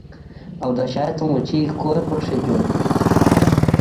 او د شاتو مچۍ کور پکښې جوړ کړي